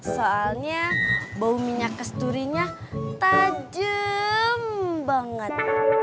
soalnya bau minyak kesturinya tajam banget